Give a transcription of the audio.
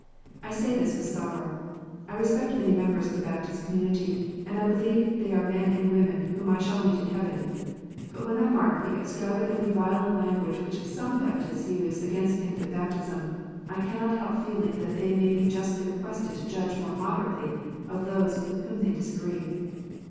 I say this with sorrow. I respect many members of the Baptist community, and I believe they are men and women whom I shall meet in heaven. But when I mark the extravag antly violent language which some Baptists use against infant baptism, I cannot help feeling that they may be justly requested to judge more moderately of those with whom they disagree.